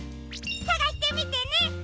さがしてみてね！